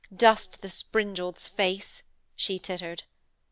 'Dust the springald's face,' she tittered.